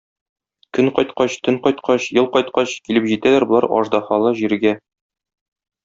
Көн кайткач, төн кайткач, ел кайткач, килеп җитәләр болар аждаһалы җиргә.